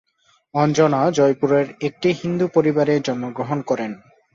অঞ্জনা জয়পুরের একটি হিন্দু পরিবারের জন্মগ্রহণ করেন।